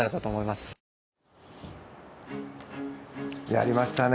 やりましたね！